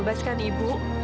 mestarnya itu untuk